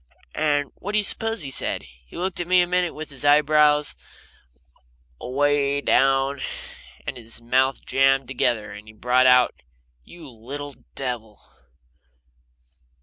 And what do you suppose he said? He looked at me a minute with his eyebrows away down, and his mouth jammed together, and then he brought out: "You little devil!"